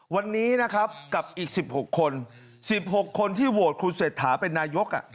วันนี้นะครับกับอีกสิบหกคนสิบหกคนที่โหวตคุณเศรษฐาเป็นนายกอ่ะ